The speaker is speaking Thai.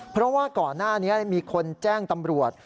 เพราะว่าก่อนหน้านี้มีคนแจ้งตำรวจ